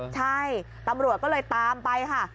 ใช่ตำรวจก็เลยตามไปค่ะ